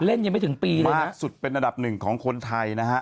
เล่นยังไม่ถึงปีเลยมากสุดเป็นอันดับหนึ่งของคนไทยนะฮะ